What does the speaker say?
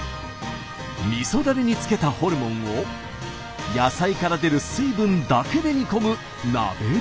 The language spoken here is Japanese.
みそだれに漬けたホルモンを野菜から出る水分だけで煮込む鍋料理です。